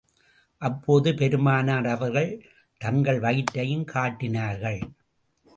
அப்போது பெருமானார் அவர்கள் தங்கள் வயிற்றைக் காட்டினார்கள்.